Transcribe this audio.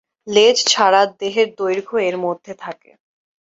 লেজ ছাড়া দেহের দৈর্ঘ্য এর মধ্যে থাকে।